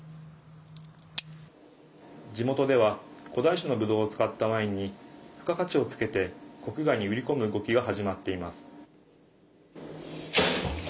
地元では古代種のブドウを使ったワインに付加価値を付けて国外に売り込む動きが始まっています。